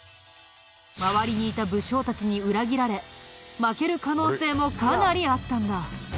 周りにいた武将たちに裏切られ負ける可能性もかなりあったんだ。